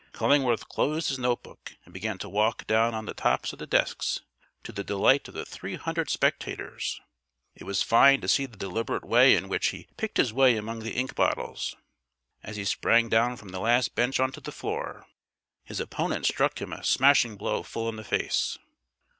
Cullingworth closed his note book, and began to walk down on the tops of the desks to the delight of the three hundred spectators. It was fine to see the deliberate way in which he picked his way among the ink bottles. As he sprang down from the last bench on to the floor, his opponent struck him a smashing blow full in the face.